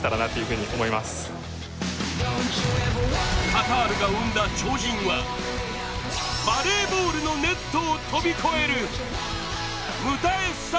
カタールが生んだ超人はバレーボールのネットを飛び越えるムタ・エッサ・